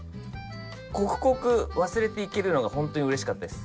刻々忘れていけるのがホントにうれしかったです。